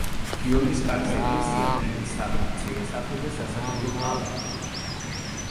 გიორგის კარის ეკლესია, დიდი სახლი, მცირე სახლი და სასადილო პალატი.